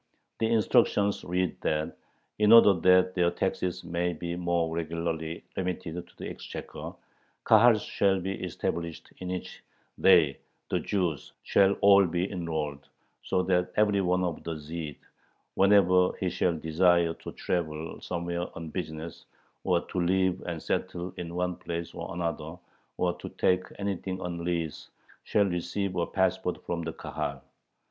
The instructions read that in order that their taxes may be more regularly remitted to the exchequer, Kahals shall be established in which they [the Jews] shall all be enrolled, so that every one of the "Zhyds," whenever he shall desire to travel somewhere on business, or to live and settle in one place or another, or to take anything on lease, shall receive a passport from the Kahal.